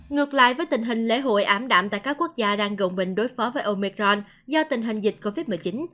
ngược lại với tình hình lễ hội ám đảm tại các quốc gia đang gồm mình đối phó với omicron do tình hình dịch covid một mươi chín